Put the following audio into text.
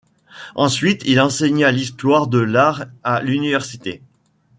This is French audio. Ensuite, il enseigna l'Histoire de l'Art à l'Université.